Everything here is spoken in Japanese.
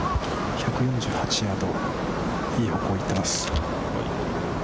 １４８ヤード、いい方向に行っています。